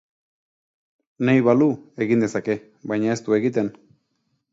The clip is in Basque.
Nahi balu, egin dezake, baina ez du egiten.